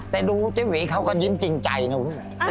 แต่ดูเจ๊หวีเขาก็ยิ้มจริงใจนะ